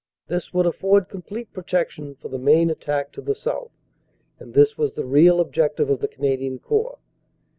This would afford complete protection for the main attack to the south and this was the real objective of the Canadian Corps.